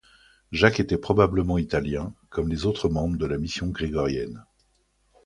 Jacques était probablement italien, comme les autres membres de la mission grégorienne.